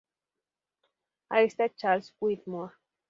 Ahí está Charles Widmore.